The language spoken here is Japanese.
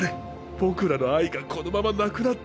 僕らの愛がこのままなくなっていいのか？